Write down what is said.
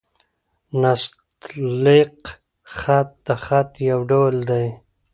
نستعلیق خط؛ د خط يو ډول دﺉ.